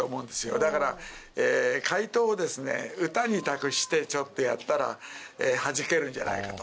だから、回答を歌に託してちょっとやったら、はじけるんじゃないかと。